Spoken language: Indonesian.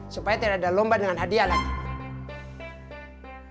supaya tidak ada lomba dengan hadiah lagi